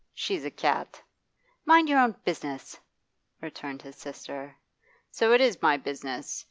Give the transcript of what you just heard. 'She's a cat.' 'You mind your own business!' returned his sister. 'So it is my business.